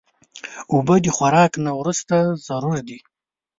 اوبه د خوراک نه وروسته ضرور دي.